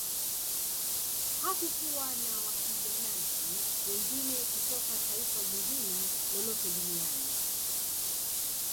Hakukuwa na wapiganaji wengine kutoka taifa jingine lolote duniani